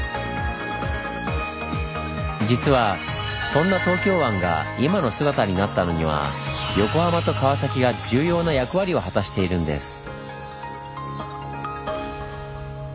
実はそんな東京湾が今の姿になったのには横浜と川崎が重要な役割を果たしているんです。